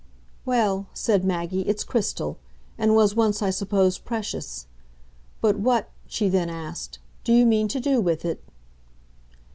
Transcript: "Well," said Maggie, "it's crystal and was once, I suppose, precious. But what," she then asked, "do you mean to do with it?"